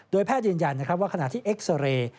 แพทย์ยืนยันว่าขณะที่เอ็กซาเรย์